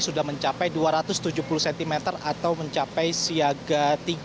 sudah mencapai dua ratus tujuh puluh cm atau mencapai siaga tiga